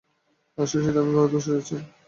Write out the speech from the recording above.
আসছে শীতে আমি ভারতবর্ষে যাচ্ছি।